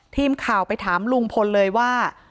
ทีมข่าวไปถามลุงพลเลยว่า